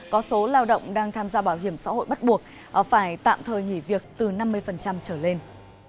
có số lao động đang tham gia bảo hiểm xã hội bắt buộc phải tạm thời nghỉ việc từ năm mươi trở lên